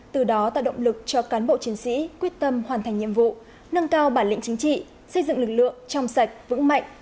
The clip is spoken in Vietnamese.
từ đó tạo động lực cho cán bộ chiến sĩ quyết tâm hoàn thành nhiệm vụ nâng cao bản lĩnh chính trị xây dựng lực lượng trong sạch vững mạnh